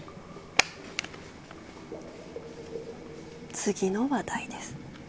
次のお題です。